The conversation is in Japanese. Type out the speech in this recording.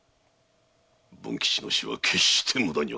文吉の死は決して無駄にはせんぞ。